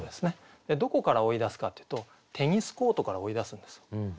どこから追い出すかっていうとテニスコートから追い出すんですよ。